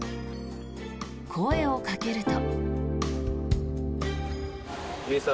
声をかけると。